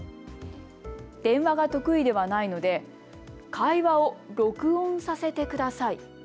電話が得意ではないので会話を録音させてください。